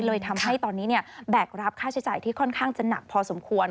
เลยทำให้ตอนนี้แบกรับค่าใช้จ่ายที่ค่อนข้างจะหนักพอสมควร